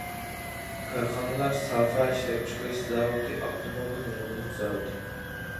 كارخانىلار سافا ئىشلەپچىقىرىش زاۋۇتى، ئاپتوموبىل رېمونت زاۋۇتى.